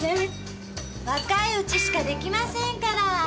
若いうちしか出来ませんから。